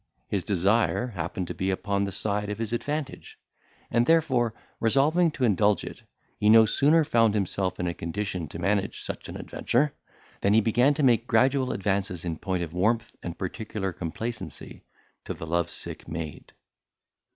His desire happened to be upon the side of his advantage, and therefore, resolving to indulge it, he no sooner found himself in a condition to manage such an adventure, than he began to make gradual advances in point of warmth and particular complacency to the love sick maid.